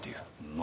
何？